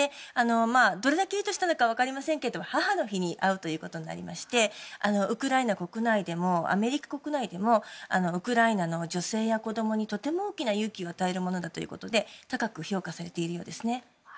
どれだけいうとしたら分かりませんけど母の日に会うということになりましてウクライナ国内でもアメリカ国内でもウクライナの女性や子供にとても大きな勇気を与えるものだということで高く評価されているようですね。